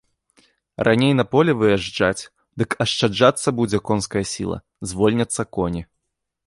Раней на поле выязджаць, дык ашчаджацца будзе конская сіла, звольняцца коні.